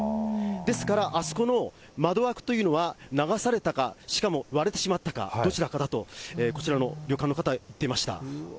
ですからあそこの窓枠というのは流されたか、しかも割れてしまったか、どちらかだと、こちらの旅館の方は言っていました。